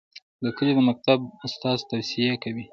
د کلي د مکتب استاد توصیې کوي.